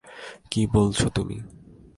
কি বলছো তুমি?